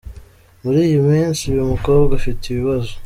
Muri iyi minsi uyu mukobwa afite ibibazo.